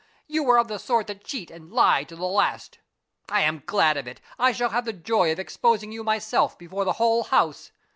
you are of the sort that cheat and lie to the last. I am glad of it; I shall have the joy of exposing you myself before the whole house.